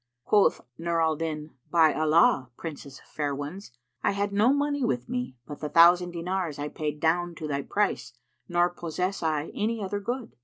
Quoth Nur al Din, "By Allah, O Princess of fair ones, I had no money with me but the thousand dinars I paid down to thy price nor possess I any other good.